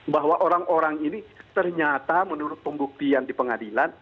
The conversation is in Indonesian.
bahwa orang orang ini ternyata menurut pembuktian di pengadilan